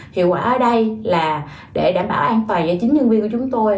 hiệu quả ở đây là để đảm bảo an toàn cho chính nhân viên của chúng tôi